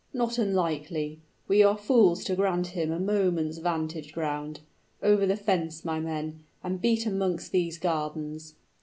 "Not unlikely. We are fools to grant him a moment's vantage ground. Over the fence, my men, and beat amongst these gardens."